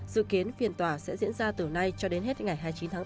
dự kiến phiền tỏa sẽ diễn ra từ nay cho đến hết ngày hai mươi chín tháng bốn